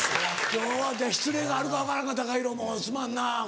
今日は失礼があるか分からんからＴＡＫＡＨＩＲＯもすまんな。